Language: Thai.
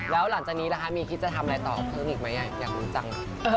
แล้วหลังจากนี้มีคิดจะทำอะไรต่อของอีกไหมยังนุ้นจัง